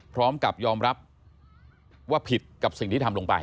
พร้อมกับยอมรับว่าผิดกับสิ่งที่ทำลงไป